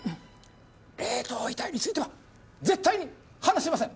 冷凍遺体については絶対に話しません。